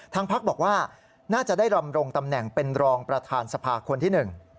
พักบอกว่าน่าจะได้ดำรงตำแหน่งเป็นรองประธานสภาคนที่หนึ่ง